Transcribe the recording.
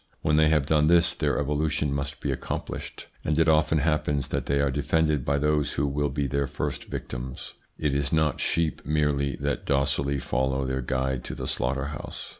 When they have done this, their evolution must be accomplished, and it often happens that they are defended by those who will be their first victims. It is not sheep merely that docilely follow their guide to the slaughter house.